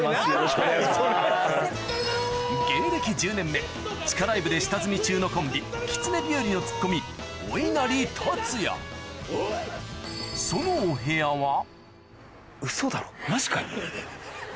芸歴１０年目地下ライブで下積み中のコンビきつね日和のツッコミおいなり達也マジかよ。